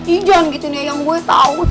ih jangan gitu nih yang gue tau sih jangan jangan